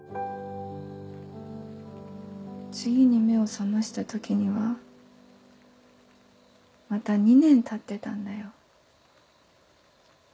次に目を覚ました時にはまた２年たってたんだよ。